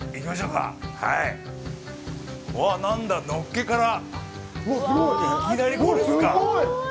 うわ何だ、のっけからいきなりこれっすか？